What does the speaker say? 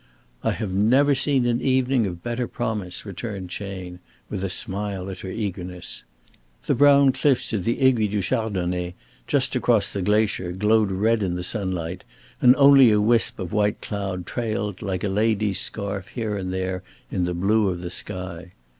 "I have never seen an evening of better promise," returned Chayne, with a smile at her eagerness. The brown cliffs of the Aiguille du Chardonnet just across the glacier glowed red in the sunlight; and only a wisp of white cloud trailed like a lady's scarf here and there in the blue of the sky.